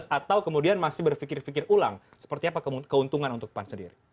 atau kemudian masih berpikir pikir ulang seperti apa keuntungan untuk pan sendiri